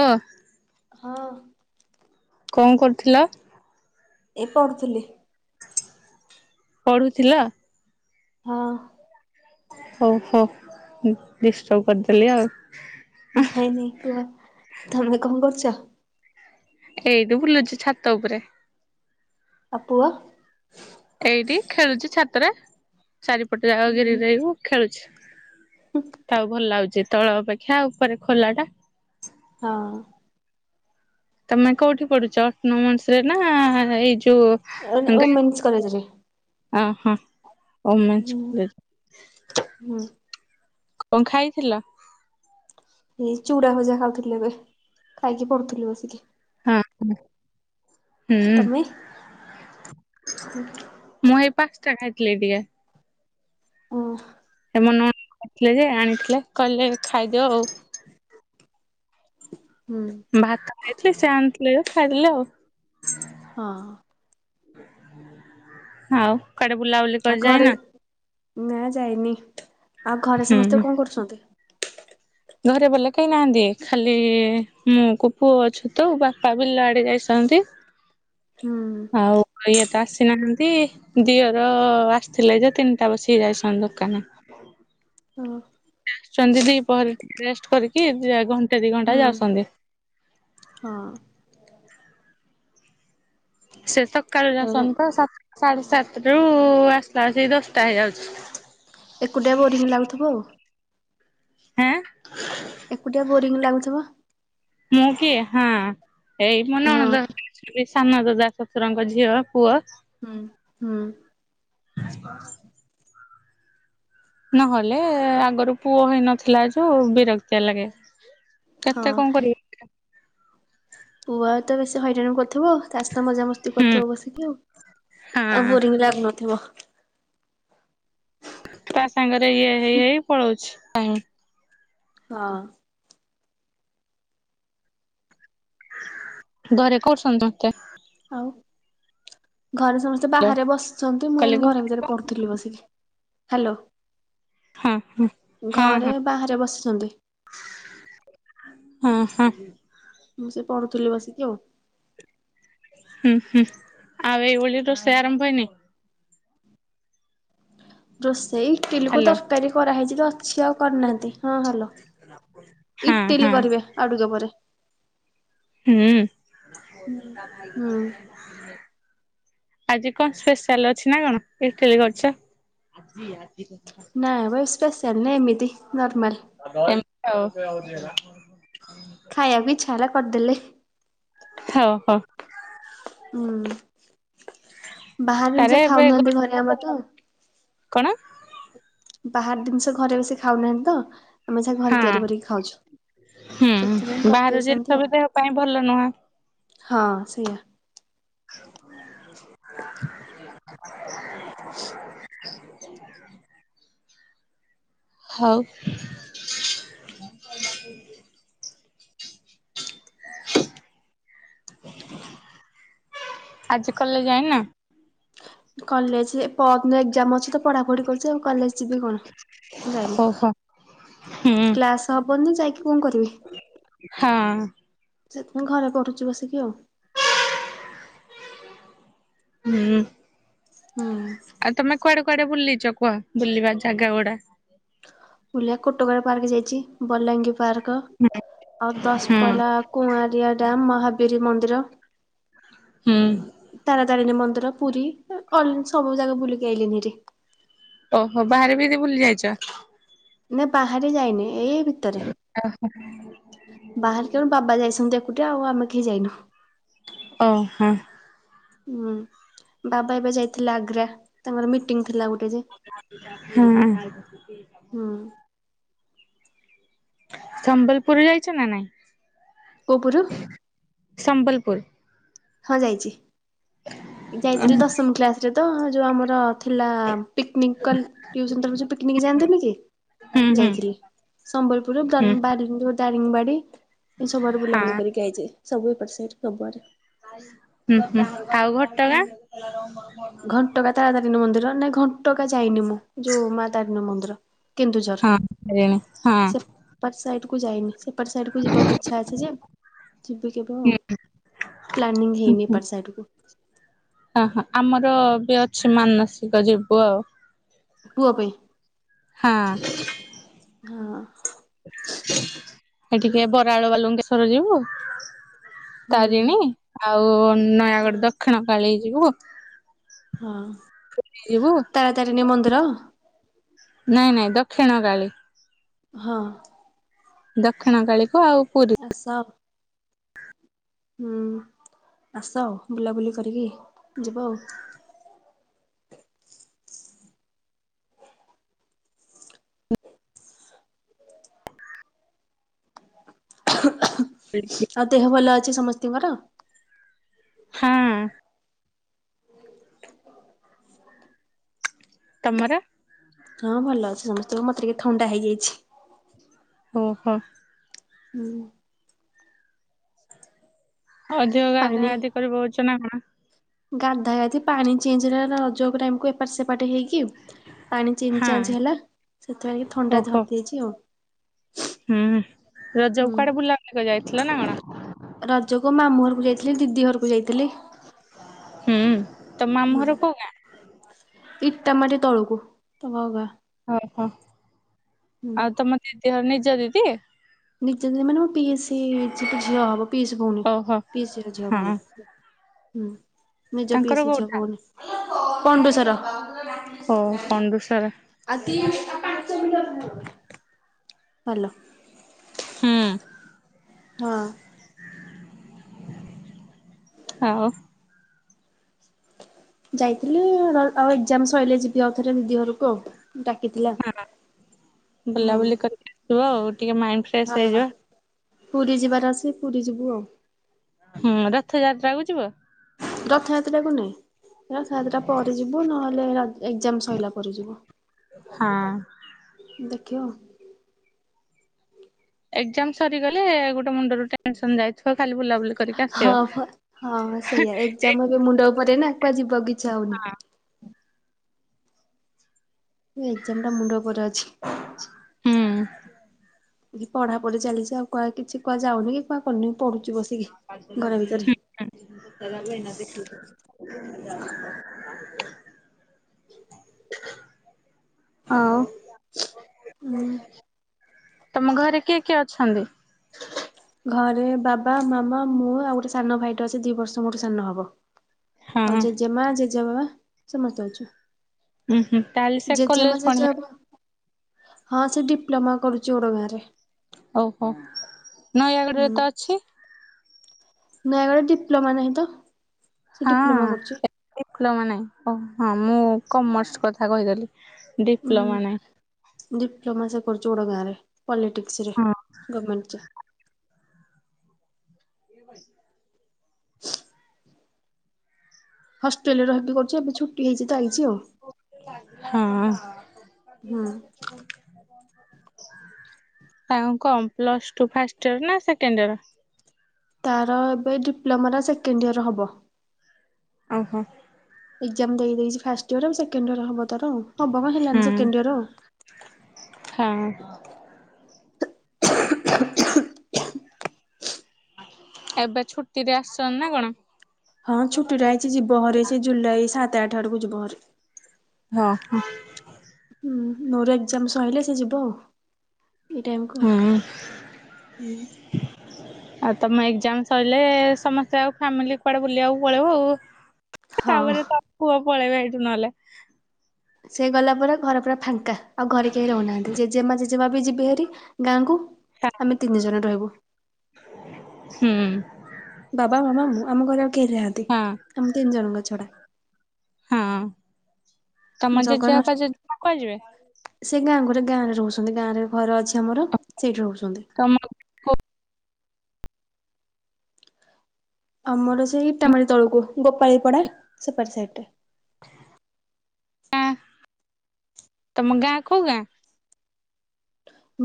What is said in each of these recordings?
ଅ ହଁ। କଣ କରୁଥିଲ? ଏ ପଡୁଥିଲି। ପଢୁଥିଲ? ହଁ। ହଉ ହଉ। ଡିଷ୍ଟର୍ବ କରିଦେଲି ଆଉ। ନାଇଁ ନାଇଁ କୁହ। ତମେ କଣ କରୁଛ? ଏଇଠି ବୁଲୁଚି ଛାତ ଉପରେ। ଆ ପୁଅ? ଏଇଟି ଖେଳୁଛି ଛାତରେ। ଚାରିପଟେ ଯାକ ଘିରି ଘେରି ହେଇ ବୁ- ଖେଳୁଛି। ତାଉ ଭଲ ଲାଗୁଛି। ତଳ ଅପେକ୍ଷା ଉପରେ ଖୋଲା ଟା। ହଁ। ତମେ କୋଉଠି ପଡୁଛ? ଅଟନମ୍ସରେ ନା ଏଇ ଯୋଉ ଏନ୍ ଓମେନ୍ସ କଲେଜ ରେ। ହ ହଁ। ହୁଁ ଓମେନ୍ସ କଲେ ହୁଁ। କଣ୍ ଖାଇଥିଲ? ଏଇ ଚୁଡ଼ା ଭଜା ଖାଉଥିଲି ଏବେ। ଖାଇକି ପଡୁଥିଲି ବସିକି। ହଁ ଉଁ। ହୁଁ ତମେ? ଓ ମୁଁ ଏଇ ପାସ୍ତା ଖାଇଥିଲି ଟିକେ। ଓ ଏ ମନା କରିଥିଲେ ଯେ ଆଣିଥିଲେ କହିଲେ ଖାଇଦିଅ ଆଉ। ହୁଁ। ଭାତ ଖାଇଥିଲି। ସେ ଆଣିଥିଲେ ଯେ ଖାଇଦେଲି ଆଉ। ହଁ। ଆଉ କୁଆଡ଼େ ବୁଲା ବୁଲ୍- ଆଉ ଘରେ- ନା ଯାଇନି। ଆଉ ଘରେ ହୁଁ। ସମସ୍ତେ କଣ କରୁଛନ୍ତି? ଘରେ ବଲେ କେହି ନାହାନ୍ତି, ଖାଲି ମୁଁ କୁ ପୁଅ ଅଛୁ ତ ବାପା ବିଲ ଆଡେ ଯାଇଥାନ୍ତି। ହୁଁ। ଆଉ ଇଏ ତ ଆସିନାହାନ୍ତି। ଦିଅର ଆସିଥିଲେ ଯେ, ତିନିଟା ବସିକି ଯାଇସନ୍ତି ଦୋକାନ। ହଁ। ଆସୁଛନ୍ତି ଦିପହର ଟିକେ ରେଷ୍ଟ କରିକି, ଦି ଘଣ୍ଟେ ଦି ହୁଁ ଘଣ୍ଟା ଯାଉଛନ୍ତି। ହଁ। ସେ ତକାଳୁ ଯାଉସନ୍ତି ତ। ସାତ୍ ସାଢେ ସାତ ରୁ ଆସିଲା ଏସିକି ଦଶଟା ହେଇଯାଉଛି। ଏକୁଟିଆ ବୋରିଂ ଲାଗୁଥିବ ଆଉ। ଆଃ। ଏକୁଟିଆ ବୋରିଂ ଲାଗୁଥିବ। ମୁଁ କିଏ? ହଁ ଏଇ ମୋ ନଣନ୍ଦ ଘରକୁ ସାନ ଦାଦା ଶଶୁରଙ୍କ ଝିଅ ପୁଅ- ହୁଁ। ହୁଁ। ନହେଲେ ଆଗରୁ ପୁଅ ହେଇ ନଥିଲା ଯୋଉ ବିରକ୍ତିଆ ଲାଗେ। କେତେ ହଁ କଣ କରିବି। ପୁଆ ତ ବେଶୀ ହଇ ରାଣ କର ଥିବ ତା ସହିତ ମଜାମସ୍ତି ହୁଁ କରୁଥିବ ବସିକି, ଆଉ ଆଉ ହଁ ବୋରିଂ ଲାଗୁନଥିବ। ତା ସାଙ୍ଗରେ ଇଏ ହେଇ ହେଇ ପଳଉଛି ଟାଇମ୍। ହଁ। ଘରେ କରୁଛନ୍ତିଛନ୍ତି ମତେ ଆଉ ଘରେ ସମସ୍ତେ ବାହାରେ ବସିଛନ୍ତି ମୁଁ କାଲି ଏନ ହଁ ଘରେ ଭିତରେ ପଢୁଥିଲି ବସିକି। ହାଲୋ। ହଁ। ଘରେ ବାହାରେ ବସିଛନ୍ତି। ହୁଁ ହୁଁ। ମୁଁ ସେ ପଢୁଥିଲି ବସିକି ଆଉ। ହୁଁ ହୁଁ। ଆଉ ଏଇ ଓଳି ର ସେ ଆରମ୍ ହେଇ ନି? ରୋଷେଇ ଇଟିଲି କ ହ୍ୟାଲୋ। ତରକାରୀ କରାହେଇଛି ତ ଅଛି ଆଉ କରିନାହାନ୍ତି। ହଁ ହାଲୋ। ହଁ ଇଟିଲି ହଁ କରିବେ, ଆଉଟିକେ ପରେ। ହୁଁ। ଆଜି କଣ ସ୍ପେଶାଲ ଅଛି ନା କଣ? ଇଟିଲି କରିଛ? ଆଜି ଆଜି ନାଁ ବା ସ୍ପେଶାଲ୍ ନାହି। ଏମିତି ନର୍ମାଲ୍। ଏମିତି ଆଉ। ଖାଇବା କୁ ଇଛା ହେଲା କରିଦେଲେ। ହଉ ହଉ। ହୁଁ ବାହାର ଆରେ ଜିନିଷ ଏବେ ଖାଉନାହାନ୍ତି ଘରେ ଆମର ତ। କଣ? ବାହାର ଜିନିଷ ଘରେ ବି ସେ ଖାଉନାହାନ୍ତି ତ ଆମେ ସେ ଘରେ ହଁ ତିଆରି କରିକି ଖାଉଛୁ। ହୁଁ ସେଥିପାଇଁ ବାହାରୁ କରିଦେଇଛନ୍ତି ଜିନ୍ସ ଆଉ। ଦେହ ପାଇଁ ଭଲ ନୁହଁ। ହଁ ସେଇଆ। [unintelligible] ହଉ। ଆଜି କଲେଜ୍ ଯାାଇନ? କଲେଜ ପଅରିଦିନ ଏକ୍ଜାମ ଅଛି ତ, ପଢା ପଢି କରୁଛି ଆଉ କଲେଜ ଯିବି କଣ ଯାଇନି, ଓହୋ ହୁଁ କ୍ଲାସ ହବନି ଯାଇକି କଣ କରିବି? ହଁ ଅ ସେଥିପାଇଁ ଘରେ ପଢୁଛି ବସିକି ଆଉ। ହୁଁ ଉ ହୁଁ ଉ ଆଉ ତମେ କୁଆଡେ କୁଆଡେ ବୁଲିଛ କୁହ? ବୁଲିବା ଜାଗା ଗୁଡା। ଓଲଆ କୋଟକର ପାର୍କ ଯାଇଛି, ବଲାଙ୍ଗୀ ପାର୍କ ଆଉ ହୁଁ ଦଶପଲା କୁଆଁରିଆ ଡ୍ୟାମ୍, ମହାବୀରୀ ମନ୍ଦିର। ହୁଁ ଉ ତାରା ତାରିଣୀ ମନ୍ଦିର, ପୁରୀ ସବୁ ଜାଗା ବୁଲିକି ଆଇଲଣିିରେ ଓହୋ ବାହାରେ ବି ଯଦି ଭୁଲି ଯାଇଛ? ନା ବାହାରେ ଯାଇନି, ଏଇ ଭିତରେ, ବାହାରେ ତେଣୁ ବାବା ଯାଇଛନ୍ତି ଏକୁଟିଆ ଆଉ ଆମେ କେହି ଯାଇନୁ। ଓ ହ ହୁଁ, ବାବା ଏବେ ଯାଇଥିଲେ ଆଗ୍ରା, ତାଙ୍କର ମିଟିଂ ଥିଲା ଗୋଟେ ଯେ ହଁ ଅ ହୁଁ ଉ ସମ୍ବଲପୁର ଯାଇଛ ନା ନାଇଁ? କ ଉପରୁ ସମ୍ବଲପୁର? ହଁ ଯାଇଛି। ହୁଁ ହୁଁ ଯାଇଥିଲି ଦଶମ କ୍ଲାସ ରେ ତ ଯୋଉ ଆମର ଥିଲା ପିକନିକ କଲ, ଟ୍ୟୁସନ ତରଫରୁ ସବୁ ପିକନିକ ଯାଆନ୍ତିନି କି, ହୁଁ ହଁ। ଯାଇଥିଲି। ସମ୍ବଲପୁର ରେ ହୁଁ ହୁଁ ଦାର ବାରିଂ ଦାରିଙ୍ଗବାଡି ଏ ସବୁଆଡେ ବୁଲାବୁଲି କରିକି ଆଇଛି। ସବୁ ଏପଟ ସାଇଡ ସବୁ ଆର ହୁଁ ହୁଁ। ଆଉ ଘଟ ହୁଁ। ଘଣ୍ଟ ଘଟକା ତାର ତାରିଣୀ ମନ୍ଦିର, ନାଇଁ ଘଣ୍ଟକା ଯାଇନି ମୁଁ ଯୋଉ ମା ତାରିଣୀ ମନ୍ଦିର। କେନ୍ଦୁଝର। ହଁ ତାରିଣୀ ହଁ ହୁଁ। ସେପ ସାଇଡ କୁ ଯାଇନି। ସେ ଏପଟ ସାଇଡ କୁ ଯିବାକୁ ଇଛା ଅଛି ଯେ, ଯିବି କେବେ ଆଉ। ପ୍ଲାନିଂ ହେଇନି ଏପଡ ସାଇଡକୁ। ହଁ ହଁ ଆମର ବି ଅଛି ମାନସିକ ଯିବୁ ଆଉ। ପୁଅ ପାଇଁ ହଁ ହଁ ଅଁ ଏ ଟିକେ ବରାଳ ବାଲୁଙ୍କେଶର ଯିବୁ। ହୁଁ ତାରିଣୀ ଆଉ ହ ନୟାଗଡ଼ ଦକ୍ଷିଣ କାଳି ଯିବୁ। ହଁ। ଯିବୁ ତାରା ତାରିଣୀ ମନ୍ଦିର ନାଇଁ ନାଇଁ ଦକ୍ଷିଣ କାଳି। ହଁ ଅଁ ଦକ୍ଷିଣ କାଳୀକୁ ଆଉ ପୁରୀ। ଆସ ହୁଁ। ଆସ ବୁଲାବୁଲି କରିକି ଯିବ ଆଉ। [unintelligible] ଆଉ ଦେହ ଭଲ ଅଛି ସମସ୍ତିଙ୍କର? ହଁ ଅଁ ତମର? ହଁ ଭଲ ଅଛି ସମସ୍ତଙ୍କ ମତେ ଟିକେ ଥଣ୍ଡା ହେଇଯାଇଛି। ଓହୋ। ହୁଁଉଁ ଅଧିକ ଗାଧା ପାଣି ଗାଧି କରି ପକୋଉଛ ନା କଣ? ଗାଧା ଗାଧି ପାଣି ଚେଞ୍ଜ ର ରଜକ ଟାଇମକୁ ଏପଟ ସେପଟ ହେଇକି କି ପାଣି ଚେଞ୍ଚ ହଁ ଚାଞ୍ଚ ହେଲା ସେଥିପାଇଁ କି ଥଣ୍ଡା ଓହୋ ଧରି ଦେଇଛି ଆଉ। ହୁଁ। ହୁଁ ରଜକୁ କୁଆଡେ ବୁଲା ବୁଲିିକ ଯାଇଥିଲା ନା କଣ? ରଜକୁ ମାମୁ ଘରକୁ ଯାଇଥିଲି, ଦିଦି ଘରକୁ ଯାଇଥିଲି। ହୁଁ। ତମ ମାମୁ ହୁଁ ଘର କୋଉ ଗାଁ? ଇଟା ମାଟି ତଳକୁ ତମ ଗାଁ। ଓହୋ ହୁଁ ଆଉ ତମ ଦିଦି ଘର ନିଜ ଦିଦି? ନିଜେ ଝିଅମାନେ ମୋ ପିସି ଝି ଝିଅ ହବ ପିସି ଭିଉଣୀ ଓହୋ ପିଏସ୍ସି ଝିଅ ଭଉଣୀ। ହଁ ହଁ ନିଜ ତାଙ୍କର ପିସି ଝିଅ କୋଉଠା ଭଉଣୀ ପଣ୍ଡୁସାର। ଓ ପଣ୍ଡୁସାର। ଆଦି ଆ ପାଞ୍ଚ ମିଟର ଦୂର। ଭଲ। ହୁଁ। ହଁ। ହୋଉ। ଯାଇଥିଲି ଅ ଆଉ ଏକ୍ଜାମ ସଇଲେ ଯିବି ଆଉ ଥରେ ଦିଦି ଘରକୁ ଆଉ। ଡାକିଥିଲା ହଁ ହଁ। ରୁହ ଆଉ ଟିକେ ମାଇଣ୍ଡ ଫ୍ରେଶ ହେଇଯିବ। ପୁରୀ ଯିବାର ଅଛି ପୁରୀ ଯିବୁ ଆଉ। ହୁଁ ରଥଯାତ୍ରାକୁୁ ଯିବ? ରଥଯାତ୍ରାକୁ ନାଇଁ। ହେ ରଥଯାତ୍ରା ପରେ ଯିବୁ ନହେଲେ ରା ଏଗ୍ଜାମ ସରିଲା ପରେ ଯିବୁ। ହଁ। ଦେଖିବ ଏଗ୍ଜାମ ସରିଗଲେ ଗୋଟେ ମୁଣ୍ଡରୁ ଟେ ଯାଇଥିବ ଖାଲି ବୁଲାବୁଲି କରିକି ହଁ ହଁ ଆସିବ। ସେଇଆ ଏକ୍ଜାମ ମୁଣ୍ଡ ଉପରେ ନା କୁଆଡେ ଯିବାକୁ ଇଛା ହେଉନି। ଏକ୍ଜାମ ଟା ମୁଣ୍ଡ ଉପରେ ଅଛି। ହୁଁ। କି ପଢା ପଢି ଚାଲିଛି ଆଉ କୁହା କିଛି କୁହା ଯାଉନି କି କୁହା କରୁନି ପଢୁଛି ବସିକି। ହୁ ଘର ଭିତରେ। ହୁ। ତାରା ବଇନା ଆଉ? ଉଁ ତମ ଘରେ କିଏ କିଏ ଅଛନ୍ତି? ଘରେ ବାବା ମାମା ମୁଁ ଆଉ ଗୋଟେ ସାନ ଭାଇଟଟେଅଛି ଦି ବର୍ଷ ମୋ ଠୁ ସାନ ହବ। ହଁ ଆଉ ଜେଜେ ମା ଜେଜେ ବାବା ସମସ୍ତେ ଅଛୁ। ଉଁ ହୁଁ ତାହେଲେ ସେ ଜେଜ କଲେଜ ମା ଜେଜେ ପଢିବା ବାପା ହଁ ସେ ଡିପ୍ଲୋମା କରୁଛି ଓଡୋ ଗାଁ ରେ। ଓହୋ ନୟାଗଡରେ ତ ଅଛି। ନୟାଗ଼ଡରେ ଡିପ୍ଲୋମା ନାହିଁ ତ? ସେ ଡିପ୍ଲୋମା କରୁଛି। ହଁ ଡିପ୍ଳମା ନାଇଁ ଓ ହଁ ମୁଁ କମର୍ସ କଥା କହିଦେଲି। ଉଁ ଡିପ୍ଲୋମା ନାଇଁ। ଡିପ୍ଲୋମା ସେ କରୁଛି ଓଡୋ ଗାଁରେ ପଲିଟିିକ୍ସରେ ହଁ ଗର୍ମେଣ୍ଟରେ। ଏ। ହଷ୍ଟେଲ ରେ ରହିକି କରୁଛି। ଏବେ ଛୁଟି ହେଇଛି ତ ଆଇଛି ଆଉ। ହଁ। ହୁଁ। ଆ କଣ ପ୍ଲସ ଟୁ ଫାଷ୍ଟ ଇୟର ନା ସେକେଣ୍ଡ ଇୟର? ତାର ଏବେ ଡିପ୍ଲୋମାର ସେକେଣ୍ଡ ଇୟର ହବ। ଓ ହୋ। ଏକ୍ଜାମ୍ ଦେଇ ଦେଇଛି ଫାଷ୍ଟ ଇୟର। ଏ ସେକେଣ୍ଡ ଇୟର ହବ ତାର ଆଉ। ହବ କଣ, ହେଲାଣି ହୁଁ। ସେକେଣ୍ଡ ଇୟର-ଅ। ହଁ। ଏବେ ଛୁଟିରେ ଆସ୍ ସନି ନା କଣ? ହଁ, ଛୁଟିରେ ଆଇଛି। ଯିବହାରି ସେ ଜୁଲାଇ ସାତ ଆଠ ଆଡ଼କୁ ଯିବ ହାରି। ହଁ, ହୁ। ହୁଁ, ମୋର ଏକ୍ଜାମ ସଇଲେ ସେ ଯିବ ଆଉ। ଏଇ ଟାଇମକୁ ହୁଁ ଉ। ହୁଁ। ଆଉ, ତମ ଏକ୍ଜାମ ସଇଲେ, ସମସ୍ତେ ଆଉ ଫ୍ୟାମିଲି କୁଆଡେ ବୁଲିଆକୁ ପଳେଇବ ଆଉ? ହଁ ତା'ପରେ ତା ପୁଅ ପଳେଇବେ, ଏଇଠୁ ନହେଲେ! ସେ ଗଲା ପରେ ଘର ପୁରା ଫାଙ୍କା। ଆଉ ଘରେ କେହି ରହୁନାହାଁନ୍ତି। ଜେଜେମା ଜେଜେବା ବି ଯିବେ ହାରି। ଗାଁକୁ, ଆମେ ତିନି ଜଣ ରହିବୁ। ହୁଁ। ବାବା, ମାମା, ମୁଁ, ଆମ ଘରେ ଆଉ କେହି ନାହାଁନ୍ତି, ହଁ ଆମ ତିନି ଜଣଙ୍କ ଛଡା। ହୁଁ, ତମ ଜଗନ ଜେଜେବାପା ଜେଜେମାମା କୁଆଡେ ଯିବେ? ସେ, ଗାଁ ଘରେ ଗାଁ ରେ ରହୁଛନ୍ତି। ଗାଁ ରେ ଘର ଅଛି ଆମର, ସେଇଠି ରହୁଛନ୍ତି। ତମ ଆଉ ଆମର ସେଇ ଇଟାମାଢି ତଳକୁ, ଗୋପାଳୀପଡା ସେପାରୀ ସାଇଡ୍ ଟା। ଆଁ ତମ ଗାଁ, କଉ ଗାଁ?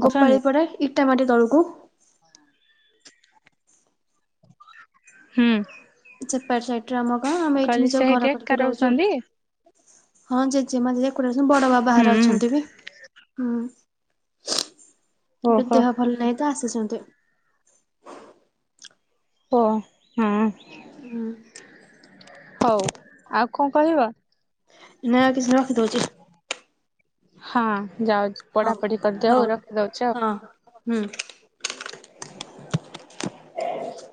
ଗୋପଳୀ ଅଛନ୍ତି? ପଡ଼ା ଇଟା ମାଟି ତଳକୁ। ହୁଁ। [unintelligible] ସାଇଟ୍ ରେ ଆମ ଗାଁ ଆମେ ଏଇଠି କହିଲି ନିଜ ଘର ସେଇଠି ଏକା କରିକି ରହୁଛୁ। ରହୁଛନ୍ତି? ହଁ, ଜେଜେମା ଜେଜେ [unintelligible] ବଡ ବାବା ହର ହୁଁ ଅଛନ୍ତି ବି! ହୁଁ। ଏବେ ଓହୋ ଦେହ ଭଲ ନାହିଁ ତ, ଆସିଛନ୍ତି! ଓ ହଁ। ଉଁ। ହଉ, ଆଉ କଣ କହିବ? ନାଁ, ଆଉ କିଛି ରଖିଦୌଚି। ହଁ, ଯାଉଛି ହଉ ପଢାପଢି କରିଦିଅ। ହଉ ଆଉ ରଖିଦଉଛି ଆଉ। ହଁ ହୁଁ।